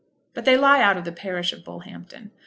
But they lie out of the parish of Bullhampton.